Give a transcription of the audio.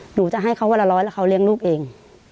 หนูจะให้เขาวันละร้อยแล้วเขาเลี้ยงลูกเอง